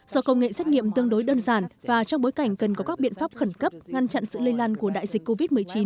do công nghệ xét nghiệm tương đối đơn giản và trong bối cảnh cần có các biện pháp khẩn cấp ngăn chặn sự lây lan của đại dịch covid một mươi chín